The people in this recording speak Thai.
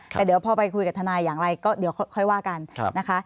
แต่เดี๋ยวพอไปคุยกับทนายอย่างไรก็เดี๋ยวค่อยว่ากันนะคะ